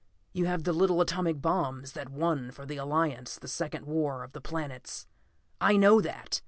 You have the little atomic bombs that won for the Alliance the Second War of the Planets. I know that.